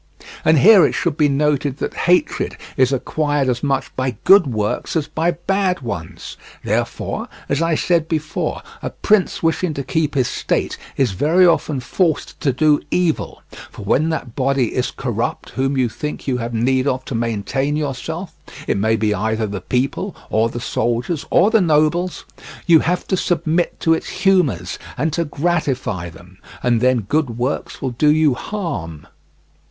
And here it should be noted that hatred is acquired as much by good works as by bad ones, therefore, as I said before, a prince wishing to keep his state is very often forced to do evil; for when that body is corrupt whom you think you have need of to maintain yourself—it may be either the people or the soldiers or the nobles—you have to submit to its humours and to gratify them, and then good works will do you harm.